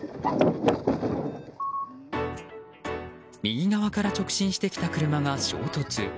右側から直進してきた車が衝突。